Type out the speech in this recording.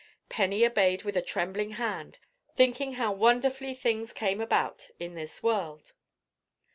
Penny obeyed with a trembling hand, thinking how wonderfully things came about in this world.